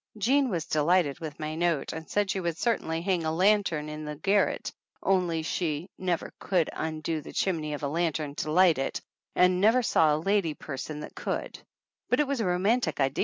Jean was delighted with my note and said she would certainly hang a lantern in the gar ret only she never could undo the chimney of a lantern to light it, and never saw a lady per son that could; but it was a romantic idea.